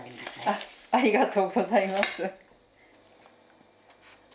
ありがとうございます。